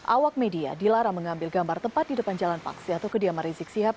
awak media dilarang mengambil gambar tempat di depan jalan paksi atau kediaman rizik sihab